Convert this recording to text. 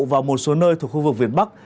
và một số nơi thuộc khu vực việt bắc